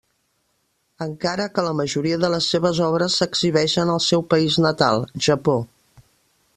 Encara que la majoria de les seves obres s'exhibeixen al seu país natal, Japó.